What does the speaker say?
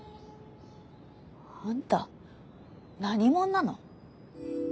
あんた何もんなの？